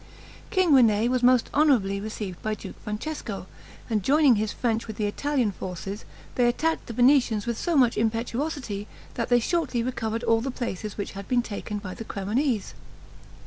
King René was most honorably received by Duke Francesco, and joining his French with the Italian forces, they attacked the Venetians with so much impetuosity, that they shortly recovered all the places which had been taken in the Cremonese.